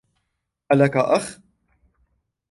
ألك أخ؟